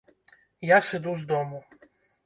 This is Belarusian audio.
Я сыду з дому.